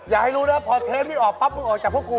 อย่าให้รู้นะพอเทปนี้ออกปั๊บมึงออกจากพวกกู